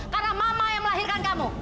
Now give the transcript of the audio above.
karena mama yang melahirkan kamu